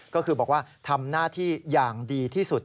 ก็คือบอกว่าทำหน้าที่อย่างดีที่สุด